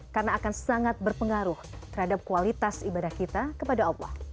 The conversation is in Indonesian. karena akan sangat berpengaruh terhadap kualitas ibadah kita kepada allah